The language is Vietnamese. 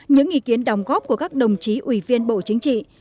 những ý kiến đồng góp của các đồng chí ủy viên bộ chính trị